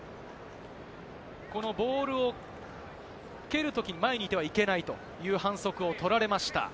このボールを蹴るときに前にいてはいけないという反則を取られました。